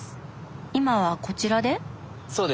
今はこちらで？